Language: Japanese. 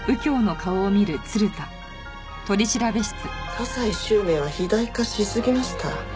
加西周明は肥大化しすぎました。